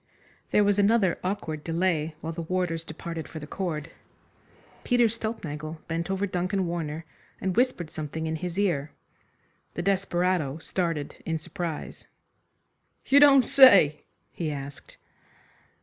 There was another awkward delay while the warders departed for the cord. Peter Stulpnagel bent over Duncan Warner, and whispered something in his ear. The desperado started in surprise. "You don't say?" he asked.